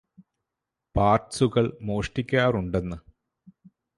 പാര്ട്സുകള് മോഷ്ടിക്കാറുണ്ടന്ന്